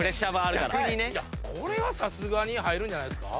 これはさすがに入るんじゃないですか？